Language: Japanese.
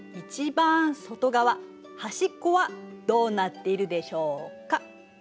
番外側端っこはどうなっているでしょうか？